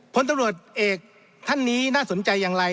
ผลตำรวจเอกท่านนี้น่าสนใจอย่างไร